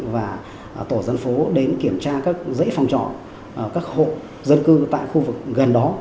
của dân phố đến kiểm tra các dãy phòng trọ các hộp dân cư tại khu vực gần đó